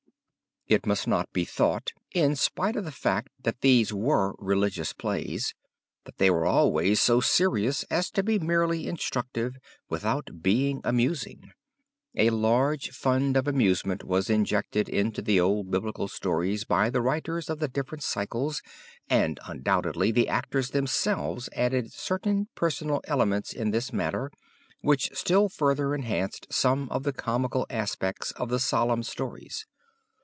It must not be thought, in spite of the fact that these were religious plays, that they were always so serious as to be merely instructive without being amusing. A large fund of amusement was injected into the old biblical stories by the writers of the different cycles and undoubtedly the actors themselves added certain personal elements in this matter, which still further enhanced some of the comical aspects of the solemn stories.